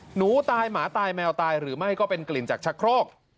หนูตายหมาตายแมวตายหรือไม่ก็เป็นกลิ่นจากชะโครก